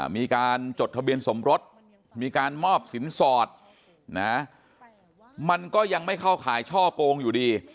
มีการจดทะเบียนสมรสมีการมอบสินสอดนะมันก็ยังไม่เข้าข่ายช่อโกงอยู่ดี